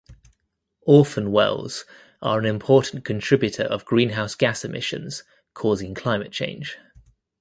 Orphan wells are an important contributor of greenhouse gas emissions causing climate change.